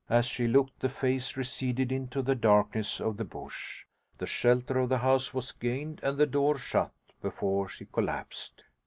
As she looked the face receded into the darkness of the bush. The shelter of the house was gained and the door shut before she collapsed.